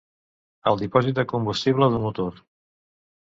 El dipòsit de combustible d'un motor.